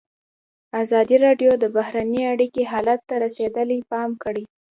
ازادي راډیو د بهرنۍ اړیکې حالت ته رسېدلي پام کړی.